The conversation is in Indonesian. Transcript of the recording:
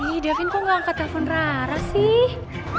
waduh arin kok gak angkat telepon rara sih